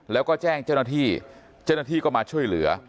แล้วก็แจ้งเจ้าหน้าที่เจ้าหน้าที่ก็มาช่วยเหลือ